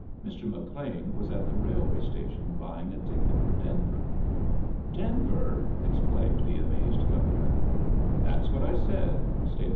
Mr. McLean was at the railway station buying a ticket for Denver. "Denverl" exclaimed the amazed Gov ernor. "That's what I said," stated Bt.